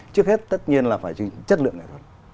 trước hết tất nhiên là phải chương trình chất lượng nghệ thuật